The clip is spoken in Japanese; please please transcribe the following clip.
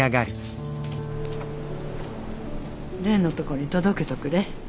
蓮のとこに届けとくれ。